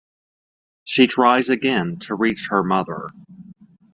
She tries again to reach her mother.